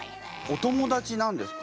お友達なんですか？